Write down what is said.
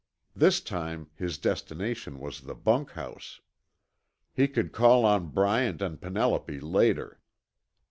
This time his destination was the bunkhouse. He could call on Bryant and Penelope later.